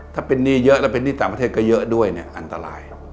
ถ้าเป็นหนี้เยอะแล้วเป็นหนี้ต่างประเทศก็เยอะด้วยเนี่ยอันตราย